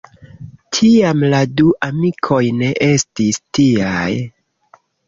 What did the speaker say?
Tiam la du amikoj ne estis tiaj.